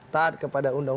taat kepada bapak